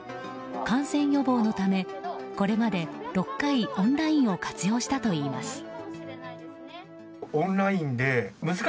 感染予防のため、これまで６回オンラインを活用したといいます。